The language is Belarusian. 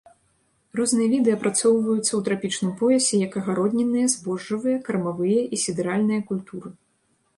Розныя віды апрацоўваюцца ў трапічным поясе як агароднінныя, збожжавыя, кармавыя і сідэральныя культуры.